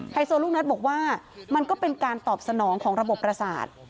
โซลูกนัทบอกว่ามันก็เป็นการตอบสนองของระบบประสาท